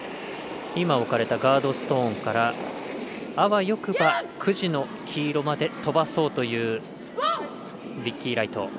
今置かれたガードストーンから、あわよくば９時の黄色まで飛ばそうというビッキー・ライト。